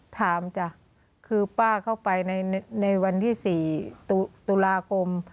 จ้ะคือป้าเข้าไปในวันที่๔ตุลาคม